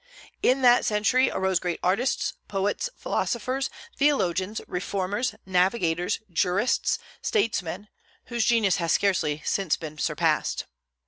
In that century arose great artists, poets, philosophers, theologians, reformers, navigators, jurists, statesmen, whose genius has scarcely since been surpassed.